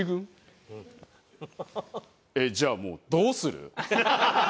えっじゃあもうどうする？